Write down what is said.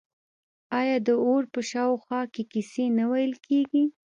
آیا د اور په شاوخوا کې کیسې نه ویل کیږي؟